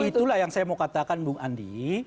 itulah yang saya mau katakan bung andi